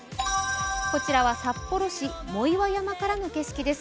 こちらは札幌市・藻岩山からの景色です。